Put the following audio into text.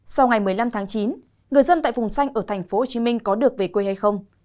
sau ngày một mươi năm tháng chín người dân tại vùng xanh ở tp hcm có được về quê hay không